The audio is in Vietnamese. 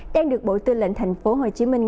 đang được bộ tư lệnh thành phố hồ chí minh